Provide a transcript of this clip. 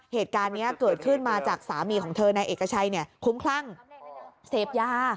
เหตุการณ์นี้เกิดขึ้นมาจากสามีของเธอนายเอกชัยคุ้มคลั่งเสพยา